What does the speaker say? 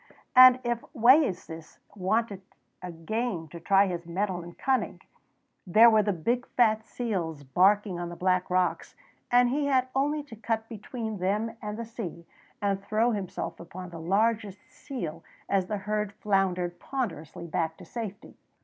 And if Wayeeses wanted game to try his mettle and cunning, there were the big fat seals barking on the black rocks, and he had only to cut between them and the sea and throw himself upon the largest seal as the herd floundered ponderously back to safety.